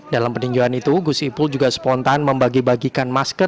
dalam peninjauan itu gus ipul juga spontan membagi bagikan masker